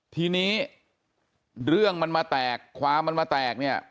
ทีนี้เรื่องมันมาแตกความมันมาแตกเนี่ย